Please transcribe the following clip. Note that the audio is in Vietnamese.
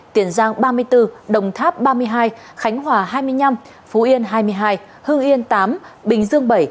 tiền giang ba mươi bốn đồng tháp ba mươi hai khánh hòa hai mươi năm phú yên hai mươi hai hưng yên tám bình dương bảy